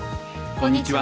こんにちは。